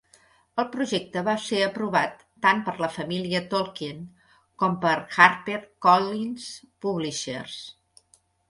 El projecte va ser aprovat tant per la família Tolkien com per HarperCollins Publishers.